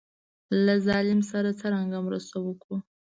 له ظالم سره څرنګه مرسته وکړو.